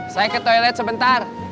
saya ke toilet sebentar